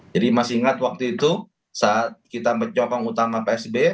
jadi masih ingat waktu itu saat kita mencokong utama pak sby